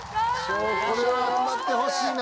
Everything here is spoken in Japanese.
これは頑張ってほしいな。